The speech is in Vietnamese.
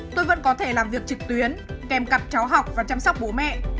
tôi vẫn có thể làm việc trực tuyến kèm cặp cháu học và chăm sóc bố mẹ